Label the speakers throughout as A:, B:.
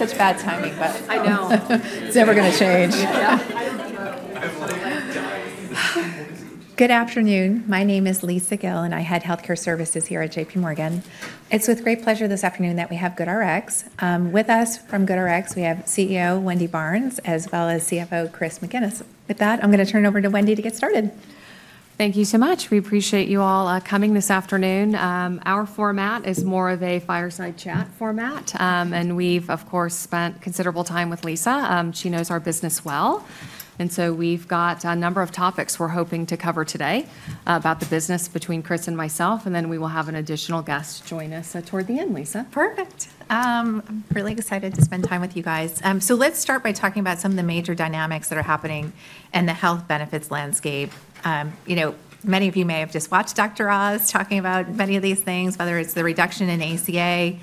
A: Such bad timing, but. I know. It's never going to change.
B: Good afternoon. My name is Lisa Gill, and I head healthcare services here at J.P. Morgan. It's with great pleasure this afternoon that we have GoodRx. With us from GoodRx, we have CEO Wendy Barnes, as well as CFO Chris McGinnis. With that, I'm going to turn it over to Wendy to get started.
C: Thank you so much. We appreciate you all coming this afternoon. Our format is more of a fireside chat format, and we've, of course, spent considerable time with Lisa. She knows our business well. And so we've got a number of topics we're hoping to cover today about the business between Chris and myself, and then we will have an additional guest join us toward the end, Lisa.
B: Perfect. I'm really excited to spend time with you guys, so let's start by talking about some of the major dynamics that are happening in the health benefits landscape. Many of you may have just watched Dr. Oz talking about many of these things, whether it's the reduction in ACA,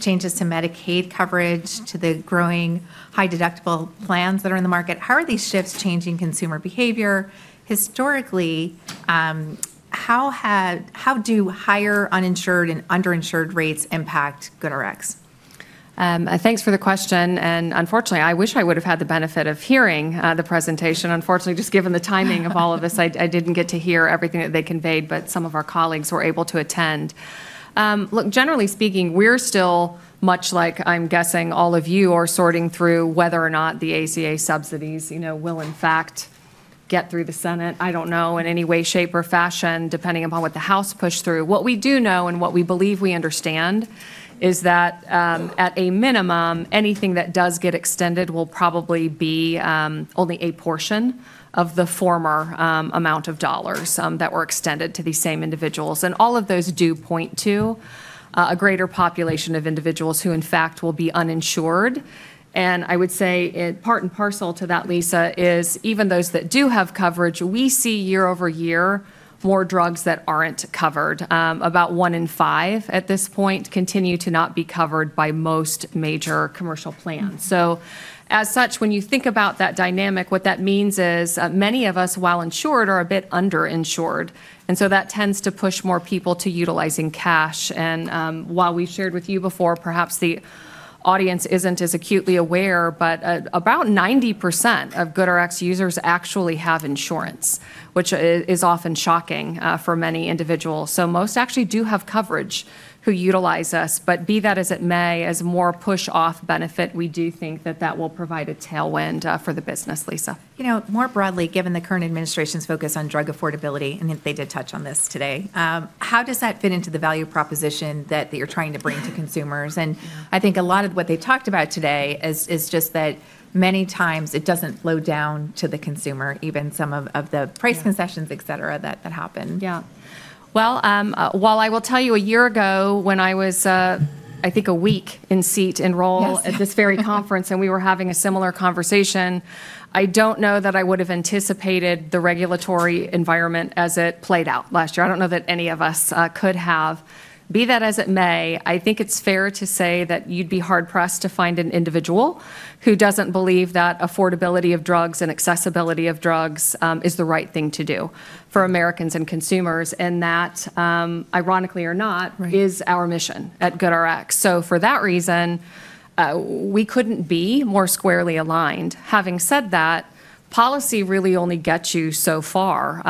B: changes to Medicaid coverage, to the growing high-deductible plans that are in the market. How are these shifts changing consumer behavior? Historically, how do higher uninsured and underinsured rates impact GoodRx?
C: Thanks for the question. And unfortunately, I wish I would have had the benefit of hearing the presentation. Unfortunately, just given the timing of all of this, I didn't get to hear everything that they conveyed, but some of our colleagues were able to attend. Look, generally speaking, we're still, much like I'm guessing all of you are sorting through whether or not the ACA subsidies will, in fact, get through the Senate. I don't know in any way, shape, or fashion, depending upon what the House pushed through. What we do know and what we believe we understand is that, at a minimum, anything that does get extended will probably be only a portion of the former amount of dollars that were extended to these same individuals. And all of those do point to a greater population of individuals who, in fact, will be uninsured. And I would say part and parcel to that, Lisa, is even those that do have coverage. We see year over year more drugs that aren't covered. About one in five at this point continue to not be covered by most major commercial plans. So as such, when you think about that dynamic, what that means is many of us, while insured, are a bit underinsured. And so that tends to push more people to utilizing cash. And while we've shared with you before, perhaps the audience isn't as acutely aware, but about 90% of GoodRx users actually have insurance, which is often shocking for many individuals. So most actually do have coverage who utilize us. But be that as it may, as more push-off benefit, we do think that that will provide a tailwind for the business, Lisa.
B: You know, more broadly, given the current administration's focus on drug affordability, and they did touch on this today, how does that fit into the value proposition that you're trying to bring to consumers? And I think a lot of what they talked about today is just that many times it doesn't flow down to the consumer, even some of the price concessions, et cetera, that happen.
C: Yeah, well, while I will tell you a year ago when I was, I think, a week in the seat in my role at this very conference, and we were having a similar conversation, I don't know that I would have anticipated the regulatory environment as it played out last year. I don't know that any of us could have. Be that as it may, I think it's fair to say that you'd be hard-pressed to find an individual who doesn't believe that affordability of drugs and accessibility of drugs is the right thing to do for Americans and consumers, and that, ironically or not, is our mission at GoodRx. So for that reason, we couldn't be more squarely aligned. Having said that, policy really only gets you so far.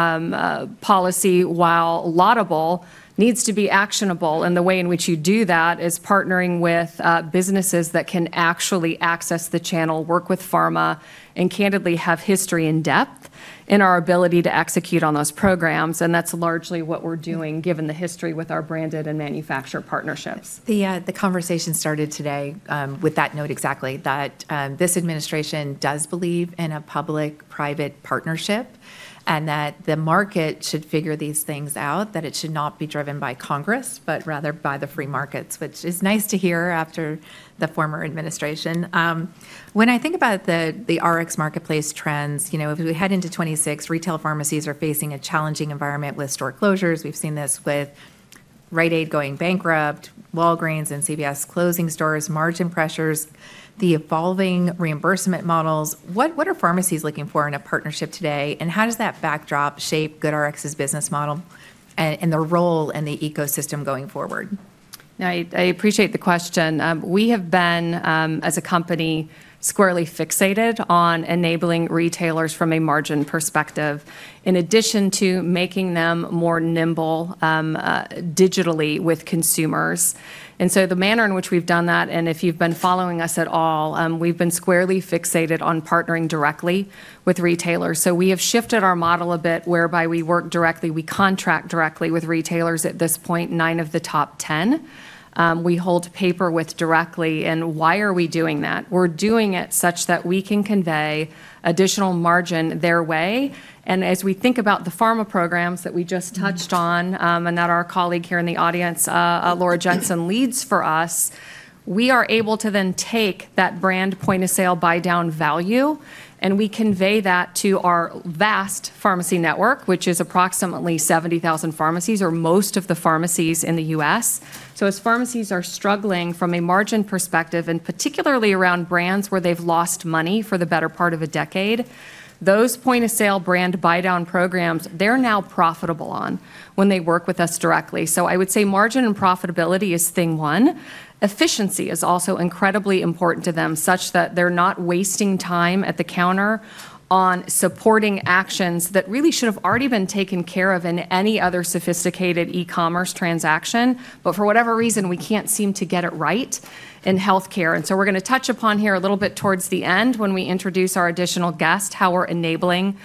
C: Policy, while laudable, needs to be actionable, and the way in which you do that is partnering with businesses that can actually access the channel, work with pharma, and candidly have history in depth in our ability to execute on those programs. And that's largely what we're doing, given the history with our branded and manufacturer partnerships.
B: The conversation started today with that note exactly that this administration does believe in a public-private partnership and that the market should figure these things out, that it should not be driven by Congress, but rather by the free markets, which is nice to hear after the former administration. When I think about the Rx marketplace trends, you know, as we head into 2026, retail pharmacies are facing a challenging environment with store closures. We've seen this with Rite Aid going bankrupt, Walgreens and CVS closing stores, margin pressures, the evolving reimbursement models. What are pharmacies looking for in a partnership today, and how does that backdrop shape GoodRx's business model and their role in the ecosystem going forward?
C: I appreciate the question. We have been, as a company, squarely fixated on enabling retailers from a margin perspective, in addition to making them more nimble digitally with consumers. The manner in which we've done that, and if you've been following us at all, we've been squarely fixated on partnering directly with retailers. We have shifted our model a bit whereby we work directly. We contract directly with retailers at this point, nine of the top 10. We hold paper with directly. Why are we doing that? We're doing it such that we can convey additional margin their way. And as we think about the pharma programs that we just touched on and that our colleague here in the audience, Laura Jensen, leads for us, we are able to then take that brand point of sale, buy down value, and we convey that to our vast pharmacy network, which is approximately 70,000 pharmacies or most of the pharmacies in the U.S. So as pharmacies are struggling from a margin perspective, and particularly around brands where they've lost money for the better part of a decade, those point of sale brand buy down programs, they're now profitable on when they work with us directly. So I would say margin and profitability is thing one. Efficiency is also incredibly important to them such that they're not wasting time at the counter on supporting actions that really should have already been taken care of in any other sophisticated e-commerce transaction. But for whatever reason, we can't seem to get it right in healthcare. And so we're going to touch upon here a little bit towards the end when we introduce our additional guest, how we're enabling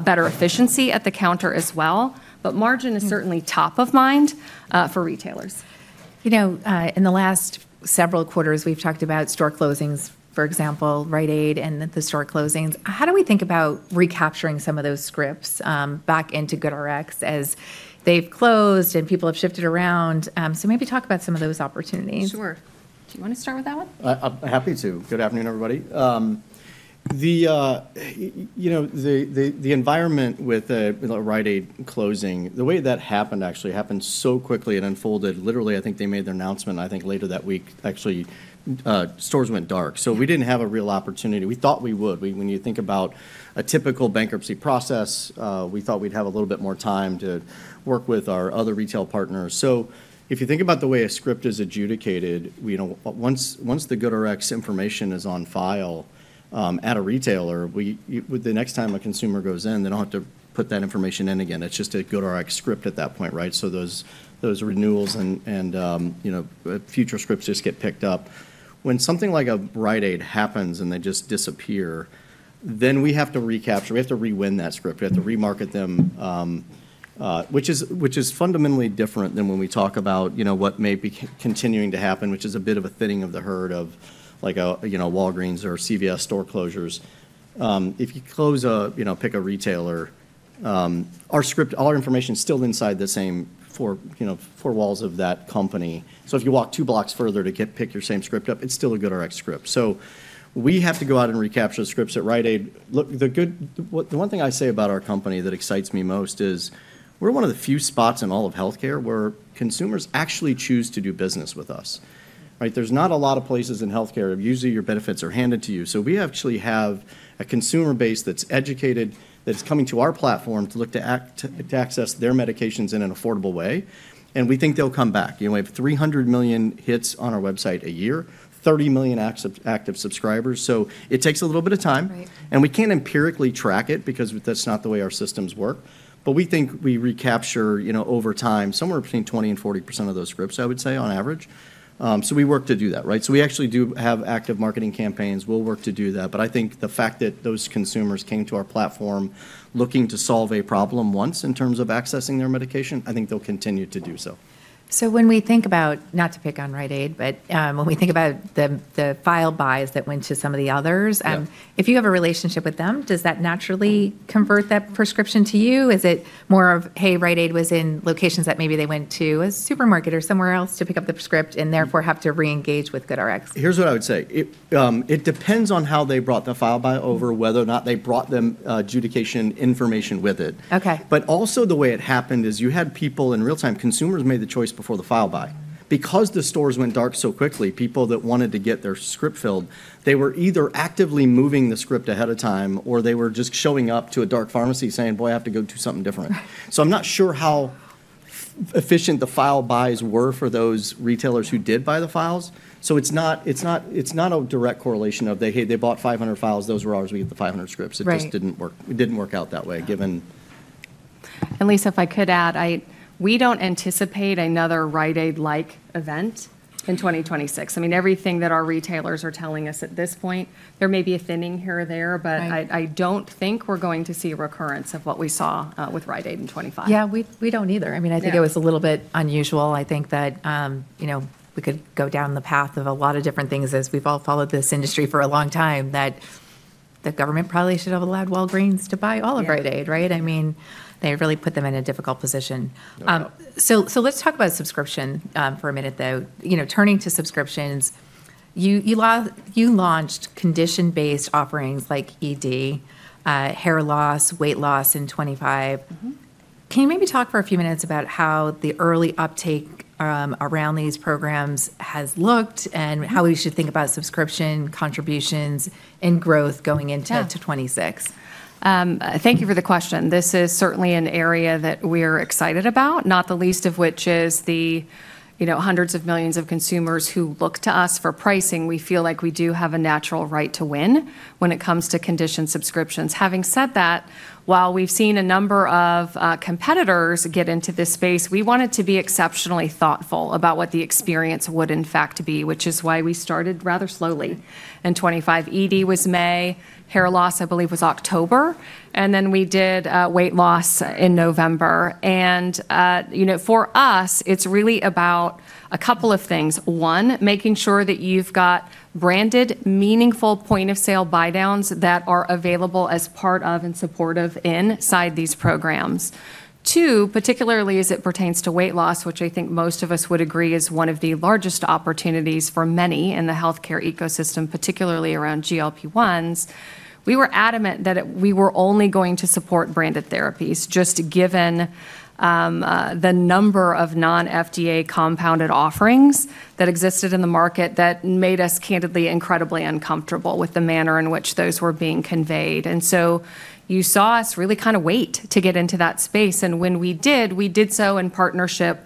C: better efficiency at the counter as well. But margin is certainly top of mind for retailers.
B: You know, in the last several quarters, we've talked about store closings, for example, Rite Aid and the store closings. How do we think about recapturing some of those scripts back into GoodRx as they've closed and people have shifted around? So maybe talk about some of those opportunities.
C: Sure. Do you want to start with that one?
D: I'm happy to. Good afternoon, everybody. You know, the environment with a Rite Aid closing, the way that happened actually happened so quickly. It unfolded literally. I think they made their announcement. I think later that week, actually stores went dark. So we didn't have a real opportunity. We thought we would. When you think about a typical bankruptcy process, we thought we'd have a little bit more time to work with our other retail partners. So if you think about the way a script is adjudicated, once the GoodRx information is on file at a retailer, the next time a consumer goes in, they don't have to put that information in again. It's just a GoodRx script at that point, right? So those renewals and future scripts just get picked up. When something like a Rite Aid happens and they just disappear, then we have to recapture. We have to re-win that script. We have to remarket them, which is fundamentally different than when we talk about what may be continuing to happen, which is a bit of a thinning of the herd of Walgreens or CVS store closures. If you pick a retailer, our script, all our information is still inside the same four walls of that company. So if you walk two blocks further to pick your same script up, it's still a GoodRx script. So we have to go out and recapture the scripts at Rite Aid. Look, the one thing I say about our company that excites me most is we're one of the few spots in all of healthcare where consumers actually choose to do business with us. There's not a lot of places in healthcare that usually your benefits are handed to you. So we actually have a consumer base that's educated, that's coming to our platform to look to access their medications in an affordable way, and we think they'll come back. We have 300 million hits on our website a year, 30 million active subscribers, so it takes a little bit of time, and we can't empirically track it because that's not the way our systems work, but we think we recapture over time somewhere between 20%-40% of those scripts, I would say, on average, so we work to do that, so we actually do have active marketing campaigns. We'll work to do that, but I think the fact that those consumers came to our platform looking to solve a problem once in terms of accessing their medication, I think they'll continue to do so.
B: So when we think about, not to pick on Rite Aid, but when we think about the file buys that went to some of the others, if you have a relationship with them, does that naturally convert that prescription to you? Is it more of, hey, Rite Aid was in locations that maybe they went to a supermarket or somewhere else to pick up the prescription and therefore have to reengage with GoodRx?
D: Here's what I would say. It depends on how they brought the file buy over, whether or not they brought the adjudication information with it. But also the way it happened is you had people in real time. Consumers made the choice before the file buy. Because the stores went dark so quickly, people that wanted to get their script filled, they were either actively moving the script ahead of time or they were just showing up to a dark pharmacy saying, boy, I have to go do something different. So I'm not sure how efficient the file buys were for those retailers who did buy the files. So it's not a direct correlation of, hey, they bought 500 files, those were ours, we get the 500 scripts. It just didn't work. It didn't work out that way, given.
C: And Lisa, if I could add, we don't anticipate another Rite Aid-like event in 2026. I mean, everything that our retailers are telling us at this point, there may be a thinning here or there, but I don't think we're going to see a recurrence of what we saw with Rite Aid in 2025.
B: Yeah, we don't either. I mean, I think it was a little bit unusual. I think that we could go down the path of a lot of different things as we've all followed this industry for a long time, that the government probably should have allowed Walgreens to buy all of Rite Aid, right? I mean, they really put them in a difficult position. So let's talk about subscription for a minute, though. Turning to subscriptions, you launched condition-based offerings like ED, hair loss, weight loss in 2025. Can you maybe talk for a few minutes about how the early uptake around these programs has looked and how we should think about subscription contributions and growth going into 2026?
C: Thank you for the question. This is certainly an area that we are excited about, not the least of which is the hundreds of millions of consumers who look to us for pricing. We feel like we do have a natural right to win when it comes to condition subscriptions. Having said that, while we've seen a number of competitors get into this space, we wanted to be exceptionally thoughtful about what the experience would in fact be, which is why we started rather slowly in 2025. ED was May, hair loss, I believe, was October. And then we did weight loss in November. And for us, it's really about a couple of things. One, making sure that you've got branded, meaningful point-of-sale buy-downs that are available as part of and supportive inside these programs. Two, particularly as it pertains to weight loss, which I think most of us would agree is one of the largest opportunities for many in the healthcare ecosystem, particularly around GLP-1s. We were adamant that we were only going to support branded therapies, just given the number of non-FDA compounded offerings that existed in the market that made us candidly incredibly uncomfortable with the manner in which those were being conveyed. And so you saw us really kind of wait to get into that space. And when we did, we did so in partnership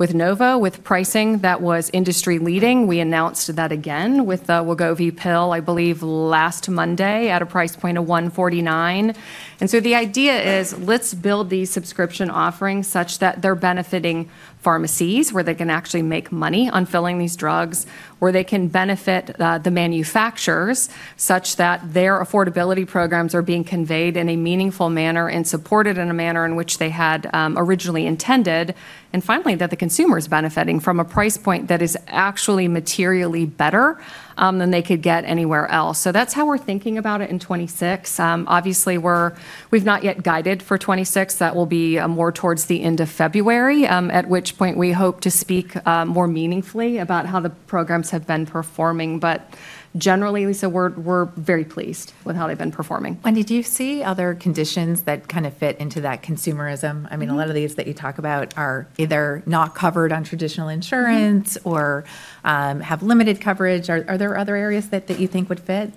C: with Novo, with pricing that was industry leading. We announced that again with Wegovy pill, I believe, last Monday at a price point of $149. And so the idea is let's build these subscription offerings such that they're benefiting pharmacies where they can actually make money on filling these drugs, where they can benefit the manufacturers such that their affordability programs are being conveyed in a meaningful manner and supported in a manner in which they had originally intended. And finally, that the consumer is benefiting from a price point that is actually materially better than they could get anywhere else. So that's how we're thinking about it in 2026. Obviously, we've not yet guided for 2026. That will be more towards the end of February, at which point we hope to speak more meaningfully about how the programs have been performing. But generally, Lisa, we're very pleased with how they've been performing.
B: Did you see other conditions that kind of fit into that consumerism? I mean, a lot of these that you talk about are either not covered on traditional insurance or have limited coverage. Are there other areas that you think would fit?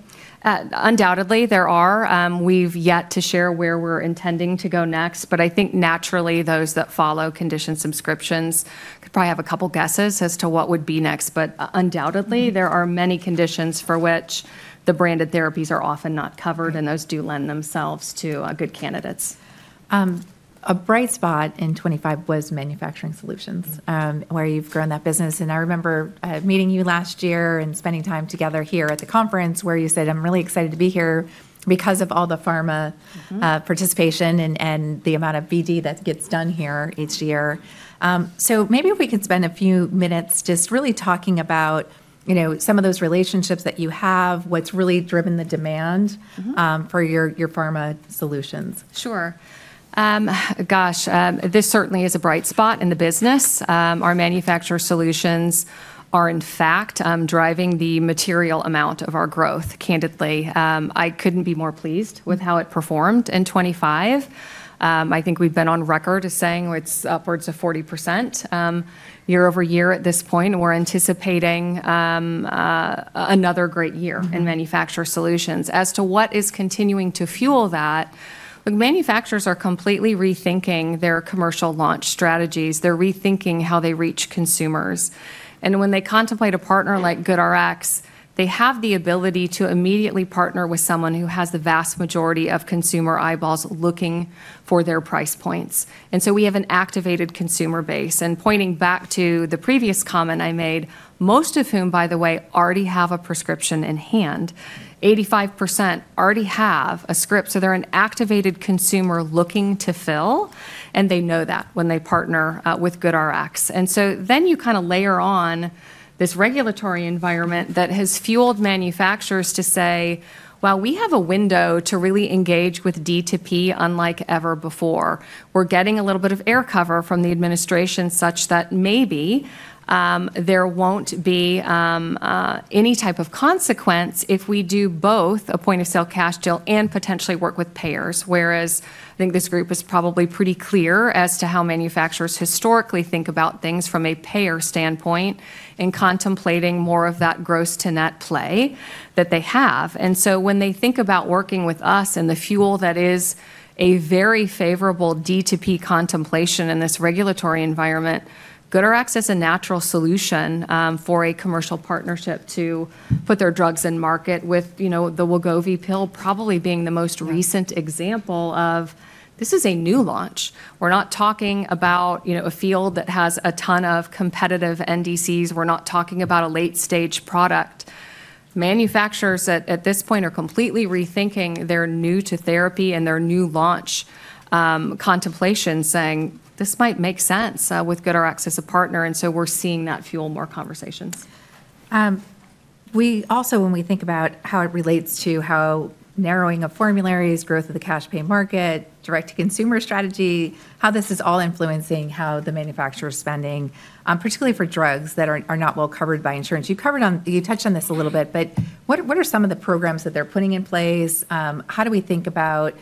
C: Undoubtedly, there are. We've yet to share where we're intending to go next. But I think naturally, those that follow condition subscriptions could probably have a couple of guesses as to what would be next. But undoubtedly, there are many conditions for which the branded therapies are often not covered, and those do lend themselves to good candidates.
B: A bright spot in 2025 was Manufacturer Solutions where you've grown that business, and I remember meeting you last year and spending time together here at the conference where you said, "I'm really excited to be here because of all the pharma participation and the amount of BD that gets done here each year." Maybe if we could spend a few minutes just really talking about some of those relationships that you have, what's really driven the demand for your pharma solutions.
C: Sure. Gosh, this certainly is a bright spot in the business. Our Manufacturer Solutions are, in fact, driving the material amount of our growth, candidly. I couldn't be more pleased with how it performed in 2025. I think we've been on record as saying it's upwards of 40% year over year at this point. We're anticipating another great year in Manufacturer Solutions. As to what is continuing to fuel that, manufacturers are completely rethinking their commercial launch strategies. They're rethinking how they reach consumers. And when they contemplate a partner like GoodRx, they have the ability to immediately partner with someone who has the vast majority of consumer eyeballs looking for their price points. And so we have an activated consumer base. And pointing back to the previous comment I made, most of whom, by the way, already have a prescription in hand. 85% already have a script. So they're an activated consumer looking to fill, and they know that when they partner with GoodRx, and so then you kind of layer on this regulatory environment that has fueled manufacturers to say, "Well, we have a window to really engage with D2P unlike ever before." We're getting a little bit of air cover from the administration such that maybe there won't be any type of consequence if we do both a point of sale cash deal and potentially work with payers. Whereas I think this group is probably pretty clear as to how manufacturers historically think about things from a payer standpoint in contemplating more of that gross to net play that they have. And so when they think about working with us and the fuel that is a very favorable D2P contemplation in this regulatory environment, GoodRx is a natural solution for a commercial partnership to put their drugs in market with the Wegovy pill probably being the most recent example of this, a new launch. We're not talking about a field that has a ton of competitive NDCs. We're not talking about a late-stage product. Manufacturers at this point are completely rethinking their new-to-therapy and their new launch contemplation saying, "This might make sense with GoodRx as a partner." And so we're seeing that fuel more conversations.
B: We also, when we think about how it relates to how narrowing of formularies, growth of the cash pay market, direct-to-consumer strategy, how this is all influencing how the manufacturer is spending, particularly for drugs that are not well covered by insurance. You touched on this a little bit, but what are some of the programs that they're putting in place? How do we think about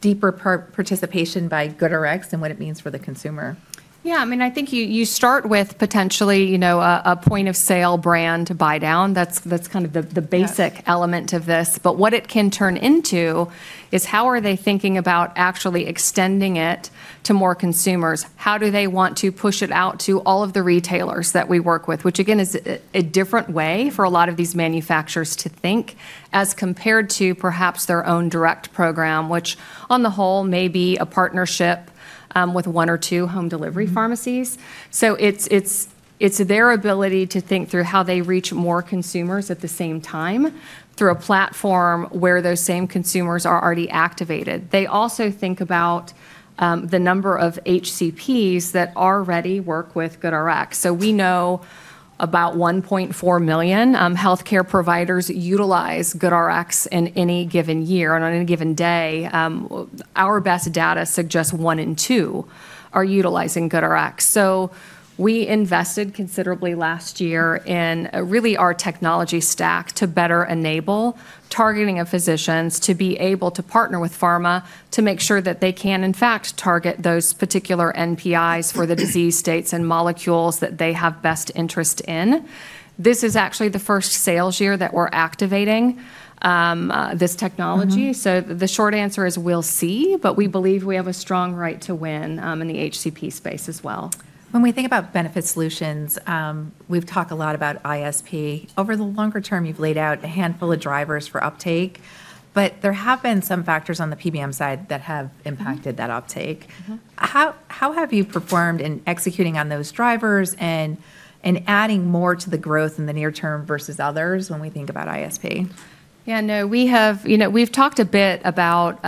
B: deeper participation by GoodRx and what it means for the consumer?
C: Yeah, I mean, I think you start with potentially a point of sale brand buy down. That's kind of the basic element of this. But what it can turn into is how are they thinking about actually extending it to more consumers? How do they want to push it out to all of the retailers that we work with, which again is a different way for a lot of these manufacturers to think as compared to perhaps their own direct program, which on the whole may be a partnership with one or two home delivery pharmacies. So it's their ability to think through how they reach more consumers at the same time through a platform where those same consumers are already activated. They also think about the number of HCPs that already work with GoodRx. So we know about 1.4 million healthcare providers utilize GoodRx in any given year, on any given day. Our best data suggests one in two are utilizing GoodRx. So we invested considerably last year in really our technology stack to better enable targeting of physicians to be able to partner with pharma to make sure that they can in fact target those particular NPIs for the disease states and molecules that they have best interest in. This is actually the first sales year that we're activating this technology. So the short answer is we'll see, but we believe we have a strong right to win in the HCP space as well.
B: When we think about benefit solutions, we've talked a lot about ISP. Over the longer term, you've laid out a handful of drivers for uptake, but there have been some factors on the PBM side that have impacted that uptake. How have you performed in executing on those drivers and adding more to the growth in the near term versus others when we think about ISP?
C: Yeah, no, we've talked a bit about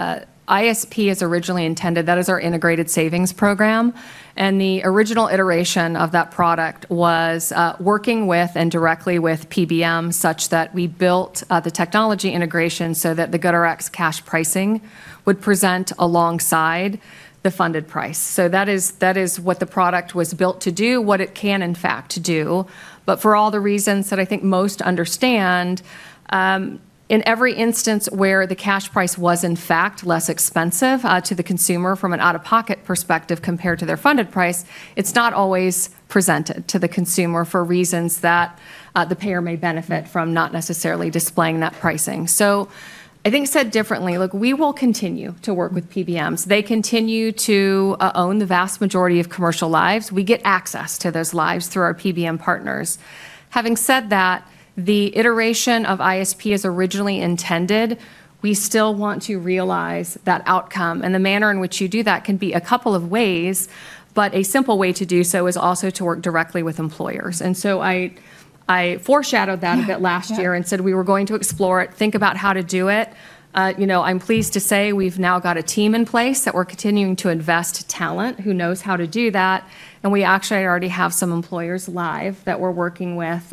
C: ISP, is originally intended that as our Integrated Savings Program. And the original iteration of that product was working with and directly with PBM such that we built the technology integration so that the GoodRx cash pricing would present alongside the funded price. So that is what the product was built to do, what it can in fact do. But for all the reasons that I think most understand, in every instance where the cash price was in fact less expensive to the consumer from an out-of-pocket perspective compared to their funded price, it's not always presented to the consumer for reasons that the payer may benefit from not necessarily displaying that pricing. So I think said differently, look, we will continue to work with PBMs. They continue to own the vast majority of commercial lives. We get access to those lives through our PBM partners. Having said that, the iteration of ISP is originally intended. We still want to realize that outcome. And the manner in which you do that can be a couple of ways, but a simple way to do so is also to work directly with employers. And so I foreshadowed that a bit last year and said we were going to explore it, think about how to do it. I'm pleased to say we've now got a team in place that we're continuing to invest talent who knows how to do that. And we actually already have some employers live that we're working with.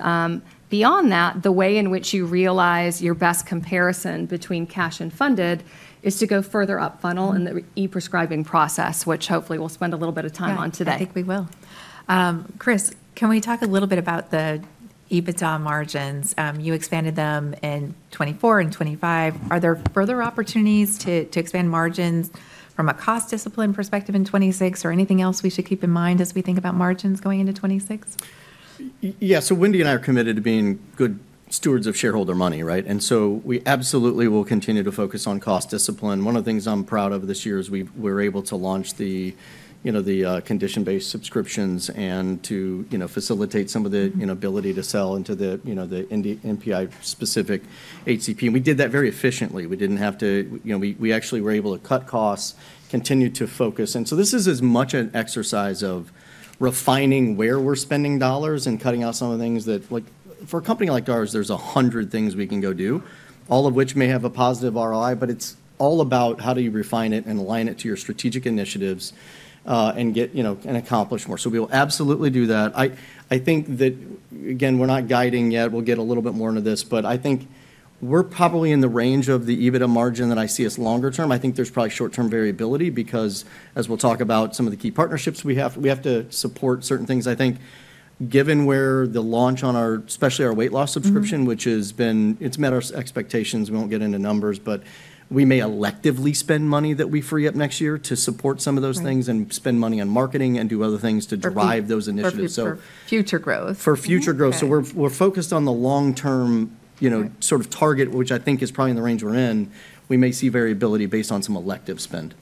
C: Beyond that, the way in which you realize your best comparison between cash and funded is to go further up funnel in the e-prescribing process, which hopefully we'll spend a little bit of time on today.
B: I think we will. Chris, can we talk a little bit about the EBITDA margins? You expanded them in 2024 and 2025. Are there further opportunities to expand margins from a cost discipline perspective in 2026 or anything else we should keep in mind as we think about margins going into 2026?
D: Yeah, so Wendy and I are committed to being good stewards of shareholder money, right? And so we absolutely will continue to focus on cost discipline. One of the things I'm proud of this year is we were able to launch the condition-based subscriptions and to facilitate some of the ability to sell into the NPI-specific HCP. And we did that very efficiently. We didn't have to; we actually were able to cut costs, continue to focus. And so this is as much an exercise of refining where we're spending dollars and cutting out some of the things that for a company like ours, there's a hundred things we can go do, all of which may have a positive ROI, but it's all about how do you refine it and align it to your strategic initiatives and get and accomplish more. So we will absolutely do that. I think that, again, we're not guiding yet. We'll get a little bit more into this, but I think we're probably in the range of the EBITDA margin that I see as longer term. I think there's probably short-term variability because, as we'll talk about some of the key partnerships we have, we have to support certain things. I think given where the launch on our, especially our weight loss subscription, which has been, it's met our expectations. We won't get into numbers, but we may electively spend money that we free up next year to support some of those things and spend money on marketing and do other things to drive those initiatives.
B: For future growth.
D: For future growth. So we're focused on the long-term sort of target, which I think is probably in the range we're in. We may see variability based on some elective spend.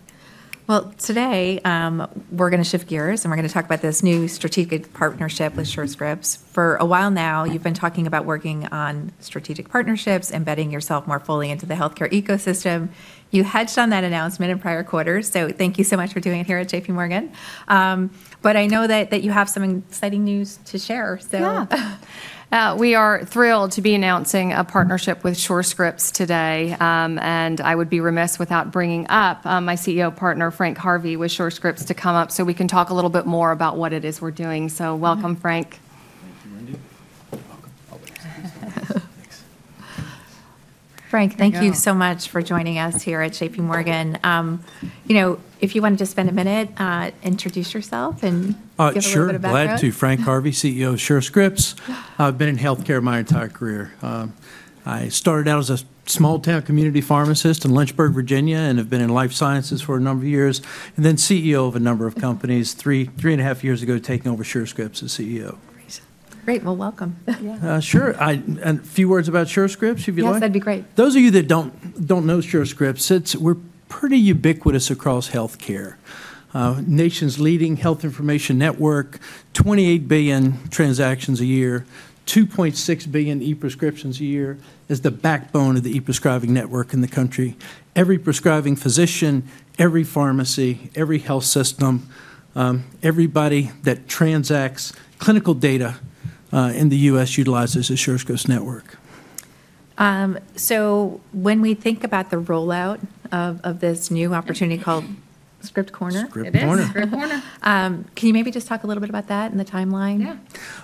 B: Today we're going to shift gears and we're going to talk about this new strategic partnership with Surescripts. For a while now, you've been talking about working on strategic partnerships, embedding yourself more fully into the healthcare ecosystem. You hedged on that announcement in prior quarters. Thank you so much for doing it here at J.P. Morgan. I know that you have some exciting news to share.
C: Yeah. We are thrilled to be announcing a partnership with Surescripts today. And I would be remiss without bringing up my CEO partner, Frank Harvey, with Surescripts to come up so we can talk a little bit more about what it is we're doing. So welcome, Frank.
E: Thank you, Wendy.
B: Frank, thank you so much for joining us here at J.P. Morgan. If you wanted to spend a minute, introduce yourself and give a little bit about yourself.
E: Glad to. Frank Harvey, CEO of Surescripts. I've been in healthcare my entire career. I started out as a small-town community pharmacist in Lynchburg, Virginia, and have been in life sciences for a number of years, and then CEO of a number of companies three and a half years ago, taking over Surescripts as CEO.
B: Great. Well, welcome.
E: Sure. A few words about Surescripts, if you like.
B: Yes, that'd be great.
E: Those of you that don't know Surescripts, we're pretty ubiquitous across healthcare. Nation's leading health information network, 28 billion transactions a year, 2.6 billion e-prescriptions a year, is the backbone of the e-prescribing network in the country. Every prescribing physician, every pharmacy, every health system, everybody that transacts clinical data in the U.S. utilizes a Surescripts network.
B: When we think about the rollout of this new opportunity called Script Corner.
E: Script Corner.
B: Script Corner. Can you maybe just talk a little bit about that and the timeline?
E: Yeah.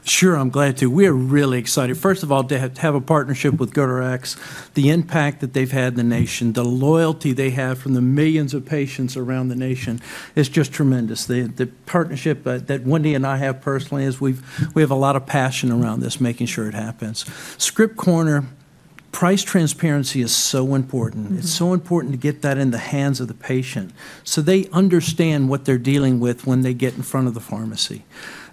E: Sure. I'm glad to. We are really excited, first of all, to have a partnership with GoodRx. The impact that they've had in the nation, the loyalty they have from the millions of patients around the nation is just tremendous. The partnership that Wendy and I have personally is we have a lot of passion around this, making sure it happens. Script Corner, price transparency is so important. It's so important to get that in the hands of the patient so they understand what they're dealing with when they get in front of the pharmacy.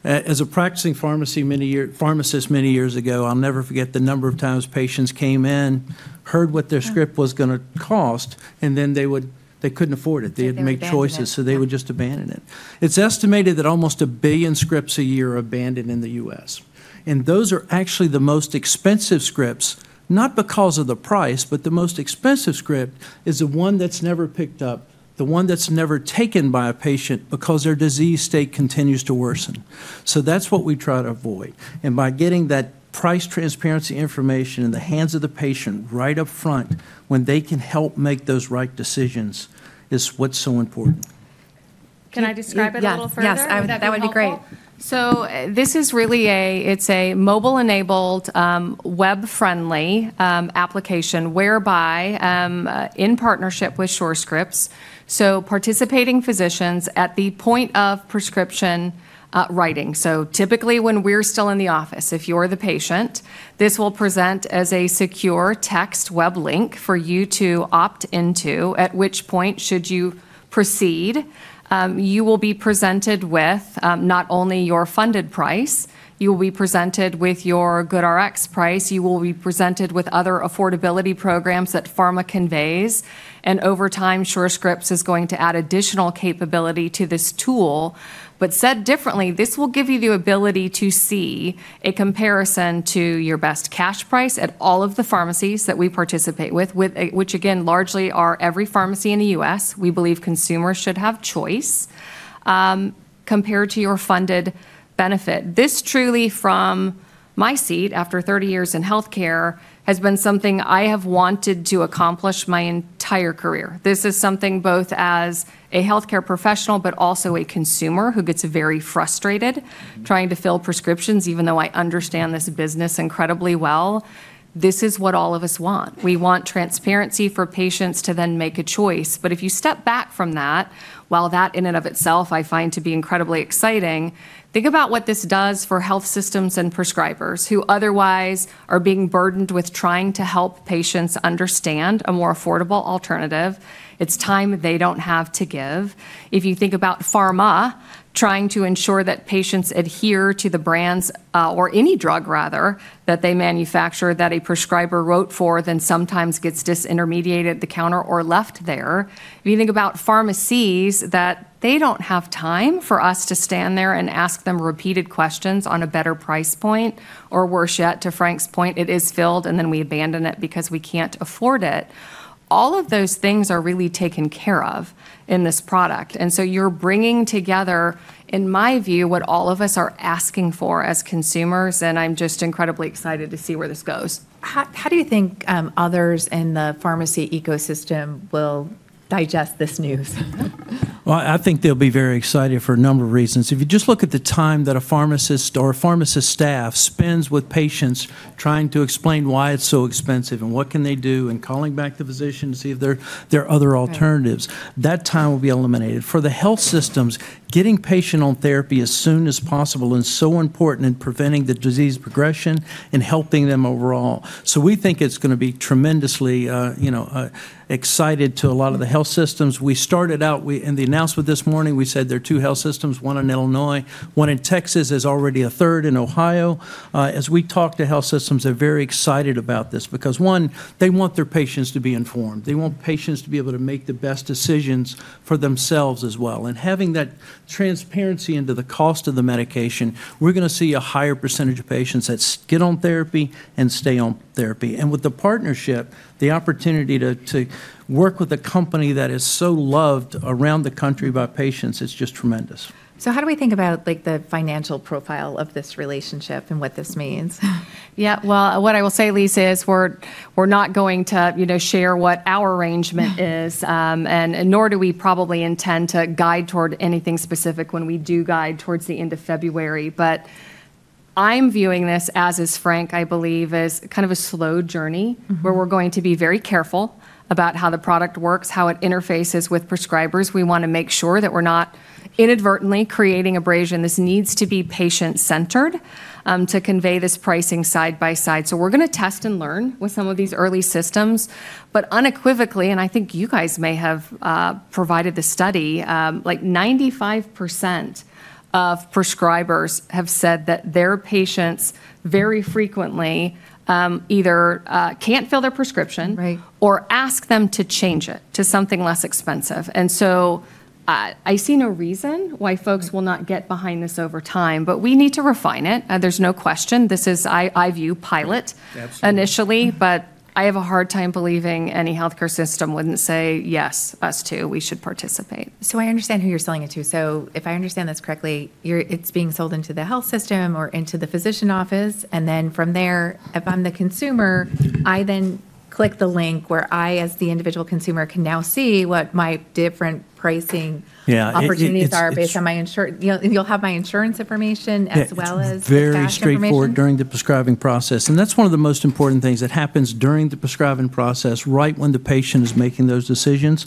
E: As a practicing pharmacist, many years ago, I'll never forget the number of times patients came in, heard what their script was going to cost, and then they couldn't afford it. They had to make choices, so they would just abandon it. It's estimated that almost a billion scripts a year are abandoned in the U.S. And those are actually the most expensive scripts, not because of the price, but the most expensive script is the one that's never picked up, the one that's never taken by a patient because their disease state continues to worsen. So that's what we try to avoid. And by getting that price transparency information in the hands of the patient right up front when they can help make those right decisions is what's so important.
C: Can I describe it a little further?
B: Yes, that would be great.
C: So this is really a, it's a mobile-enabled, web-friendly application whereby in partnership with Surescripts, so participating physicians at the point of prescription writing. So typically when we're still in the office, if you're the patient, this will present as a secure text web link for you to opt into, at which point should you proceed. You will be presented with not only your funded price, you will be presented with your GoodRx price. You will be presented with other affordability programs that Pharma conveys. And over time, Surescripts is going to add additional capability to this tool. But said differently, this will give you the ability to see a comparison to your best cash price at all of the pharmacies that we participate with, which again, largely are every pharmacy in the U.S. We believe consumers should have choice compared to your funded benefit. This truly, from my seat after 30 years in healthcare, has been something I have wanted to accomplish my entire career. This is something both as a healthcare professional, but also a consumer who gets very frustrated trying to fill prescriptions, even though I understand this business incredibly well. This is what all of us want. We want transparency for patients to then make a choice. But if you step back from that, while that in and of itself I find to be incredibly exciting, think about what this does for health systems and prescribers who otherwise are being burdened with trying to help patients understand a more affordable alternative. It's time they don't have to give. If you think about Pharma trying to ensure that patients adhere to the brands or any drug rather than that they manufacture that a prescriber wrote for, then sometimes gets disintermediated at the counter or left there. If you think about pharmacies that they don't have time for us to stand there and ask them repeated questions on a better price point, or worse yet, to Frank's point, it is filled and then we abandon it because we can't afford it. All of those things are really taken care of in this product, and so you're bringing together, in my view, what all of us are asking for as consumers, and I'm just incredibly excited to see where this goes.
B: How do you think others in the pharmacy ecosystem will digest this news?
E: I think they'll be very excited for a number of reasons. If you just look at the time that a pharmacist or pharmacy staff spends with patients trying to explain why it's so expensive and what can they do and calling back the physician to see if there are other alternatives, that time will be eliminated. For the health systems, getting patients on therapy as soon as possible is so important in preventing the disease progression and helping them overall. So we think it's going to be tremendously exciting to a lot of the health systems. We started out in the announcement this morning. We said there are two health systems, one in Illinois, one in Texas. There's already a third in Ohio. As we talk to health systems, they're very excited about this because, one, they want their patients to be informed. They want patients to be able to make the best decisions for themselves as well, and having that transparency into the cost of the medication, we're going to see a higher percentage of patients that get on therapy and stay on therapy, and with the partnership, the opportunity to work with a company that is so loved around the country by patients is just tremendous.
B: How do we think about the financial profile of this relationship and what this means?
C: Yeah, well, what I will say, Lisa, is we're not going to share what our arrangement is, and nor do we probably intend to guide toward anything specific when we do guide towards the end of February. But I'm viewing this, as is Frank, I believe, as kind of a slow journey where we're going to be very careful about how the product works, how it interfaces with prescribers. We want to make sure that we're not inadvertently creating abrasion. This needs to be patient-centered to convey this pricing side by side. So we're going to test and learn with some of these early systems. But unequivocally, and I think you guys may have provided the study, like 95% of prescribers have said that their patients very frequently either can't fill their prescription or ask them to change it to something less expensive. And so I see no reason why folks will not get behind this over time, but we need to refine it. There's no question. This is, I view, pilot initially, but I have a hard time believing any healthcare system wouldn't say, "Yes, us too, we should participate.
B: So I understand who you're selling it to. So if I understand this correctly, it's being sold into the health system or into the physician office. And then from there, if I'm the consumer, I then click the link where I, as the individual consumer, can now see what my different pricing opportunities are based on my insurance. You'll have my insurance information as well as the patient information.
E: Yes, very straightforward during the prescribing process, and that's one of the most important things that happens during the prescribing process, right when the patient is making those decisions.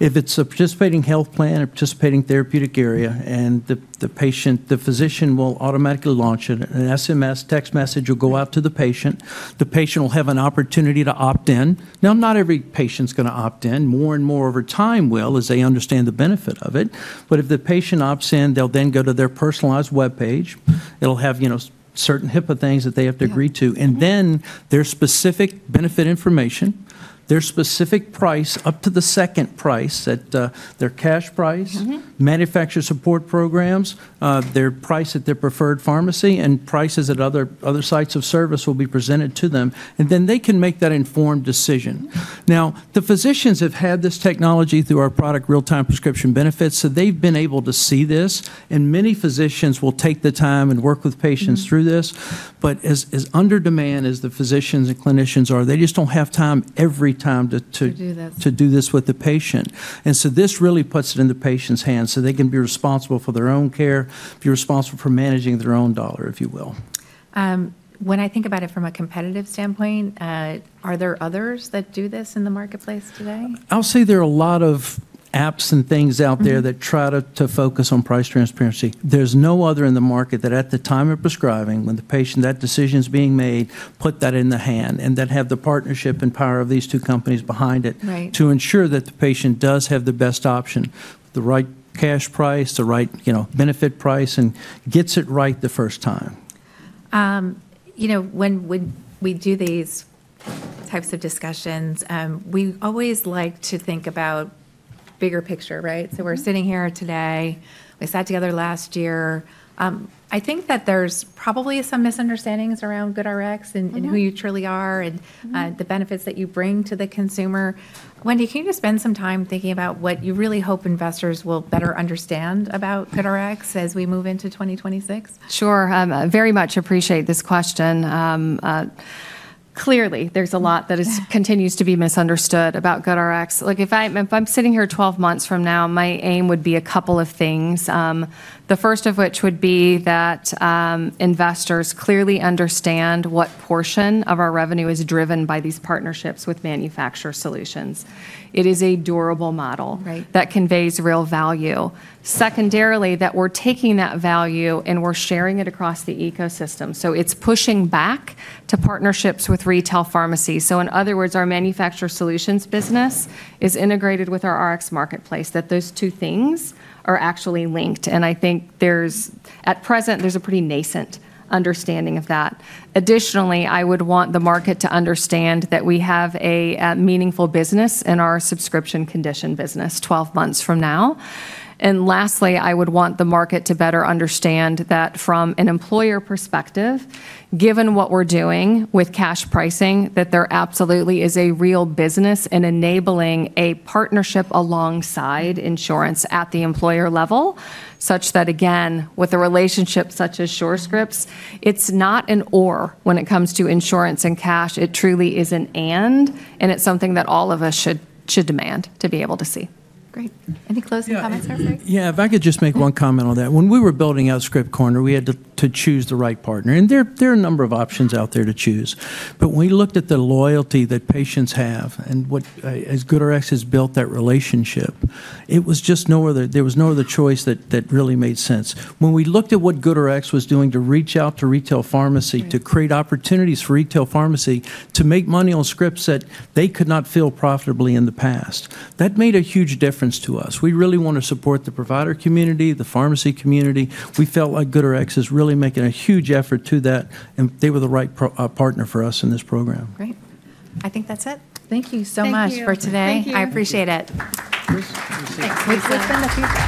E: If it's a participating health plan, a participating therapeutic area, and the patient, the physician will automatically launch it. An SMS text message will go out to the patient. The patient will have an opportunity to opt in. Now, not every patient's going to opt in. More and more over time will, as they understand the benefit of it, but if the patient opts in, they'll then go to their personalized web page. It'll have certain HIPAA things that they have to agree to, and then their specific benefit information, their specific price up to the second price at their cash price, manufacturer support programs, their price at their preferred pharmacy, and prices at other sites of service will be presented to them, and then they can make that informed decision. Now, the physicians have had this technology through our product, Real-Time Prescription Benefit, so they've been able to see this, and many physicians will take the time and work with patients through this, but as in-demand as the physicians and clinicians are, they just don't have time every time to do this with the patient, and so this really puts it in the patient's hands so they can be responsible for their own care, be responsible for managing their own dollar, if you will.
B: When I think about it from a competitive standpoint, are there others that do this in the marketplace today?
E: I'll say there are a lot of apps and things out there that try to focus on price transparency. There's no other in the market that, at the time of prescribing, when the patient—that decision's being made—put that in the hand and then have the partnership and power of these two companies behind it to ensure that the patient does have the best option, the right cash price, the right benefit price, and gets it right the first time.
B: When we do these types of discussions, we always like to think about bigger picture, right? So we're sitting here today. We sat together last year. I think that there's probably some misunderstandings around GoodRx and who you truly are and the benefits that you bring to the consumer. Wendy, can you just spend some time thinking about what you really hope investors will better understand about GoodRx as we move into 2026?
C: Sure. I very much appreciate this question. Clearly, there's a lot that continues to be misunderstood about GoodRx. If I'm sitting here 12 months from now, my aim would be a couple of things, the first of which would be that investors clearly understand what portion of our revenue is driven by these partnerships with Manufacturer Solutions. It is a durable model that conveys real value. Secondarily, that we're taking that value and we're sharing it across the ecosystem. So it's pushing back to partnerships with retail pharmacies. So in other words, our Manufacturer Solutions business is integrated with our Rx marketplace, that those two things are actually linked. And I think at present, there's a pretty nascent understanding of that. Additionally, I would want the market to understand that we have a meaningful business in our subscription condition business 12 months from now. And lastly, I would want the market to better understand that from an employer perspective, given what we're doing with cash pricing, that there absolutely is a real business in enabling a partnership alongside insurance at the employer level, such that, again, with a relationship such as Surescripts, it's not an or when it comes to insurance and cash. It truly is an and, and it's something that all of us should demand to be able to see.
B: Great. Any closing comments?
E: Yeah. If I could just make one comment on that. When we were building out Script Corner, we had to choose the right partner. And there are a number of options out there to choose. But when we looked at the loyalty that patients have and as GoodRx has built that relationship, it was just no other choice that really made sense. When we looked at what GoodRx was doing to reach out to retail pharmacy, to create opportunities for retail pharmacy to make money on scripts that they could not fill profitably in the past, that made a huge difference to us. We really want to support the provider community, the pharmacy community. We felt like GoodRx is really making a huge effort to that, and they were the right partner for us in this program.
B: Great. I think that's it. Thank you so much for today. I appreciate it.
C: We've been the future.